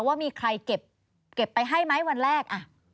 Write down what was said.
ว่ามีใครเก็บไปให้ไหมวันแรก